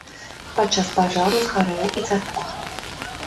Падчас пажару згарэла і царква.